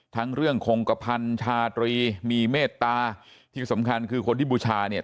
ทั้งเรื่องคงกระพันชาตรีมีเมตตาที่สำคัญคือคนที่บูชาเนี่ย